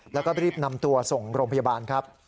แล้วก็รีบนำตัวส่งโรงพยาบาลครับ